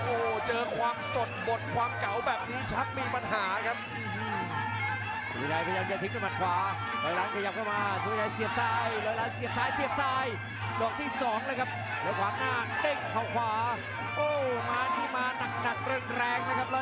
โอ้แข่งแรงแข่งแรงจริงกับลอยล้านเสียบด้วยเขาขวาอีกแล้ว